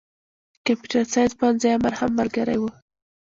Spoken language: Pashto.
د کمپيوټر ساينس پوهنځي امر هم ملګری و.